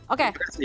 oke pak suwandi